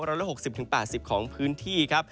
ร้อยละ๖๐๘๐ของพื้นที่ครับ